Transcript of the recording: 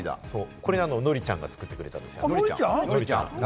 これ、のりちゃんが作ってくれたんです。